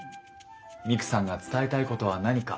ミクさんが伝えたいことは何か？